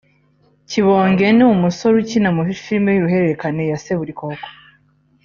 Kibonge ni umusore ukina muri Filime y'uruhererekane ya Seburikoko